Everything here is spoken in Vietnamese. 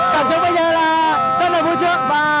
cảm chúc bây giờ là rất là vui sướng